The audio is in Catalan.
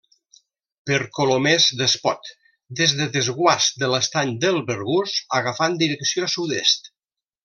Per Colomers d'Espot: des del desguàs de l'Estany del Bergús agafant direcció sud-est.